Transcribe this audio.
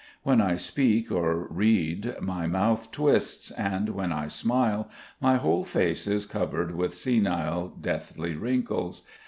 When I speak or read my mouth twists, and when I smile my whole face is covered with senile, deathly wrinkles.